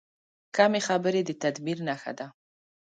کمې خبرې، د تدبیر نښه ده.